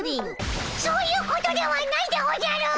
そういうことではないでおじゃる！